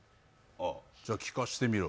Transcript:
じゃあ聞かせてくれ。